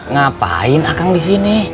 ngapain ah kang disini